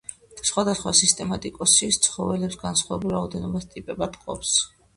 სხვადასხვა სისტემატიკოსი ცხოველებს განსხვავებული რაოდენობის ტიპებად ყოფს.